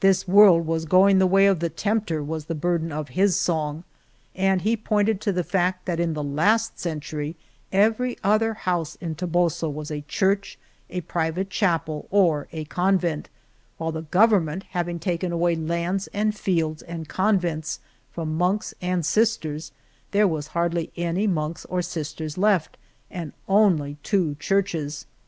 This world was going the way of the tempter, was the burden of his song, and he pointed to the fact that in the last century every other house in Toboso was a church, a private chapel, or a convent, while the Government having taken away lands and fields and convents from monks and sisters, there were hardly any monks or sisters left, and only two churches.